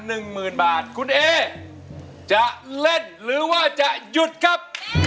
อาหารคุณเอ๋จะเล่นหรือว่าจะหยุดครับ